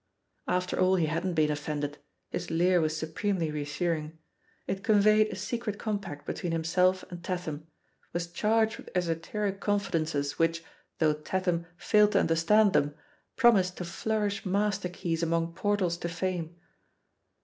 After all, he hadn't been of fended — ^his leer was supremely reassuring. It conveyed a secret compact between himself and Tatham, was charged with esoteric confidences which, though Tatham failed to understand them, promised to flourish master keys among portals to fame.